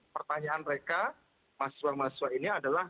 pertanyaan mereka mahasiswa mahasiswa ini adalah